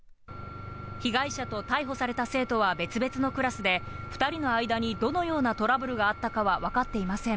被害者と逮捕された生徒は別々のクラスで、２人の間にどのようなトラブルがあったかは分かっていません。